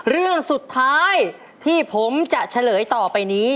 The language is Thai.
เรื่องสุดท้ายที่ผมจะเฉลยต่อไปนี้